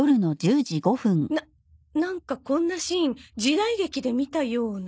ななんかこんなシーン時代劇で見たような。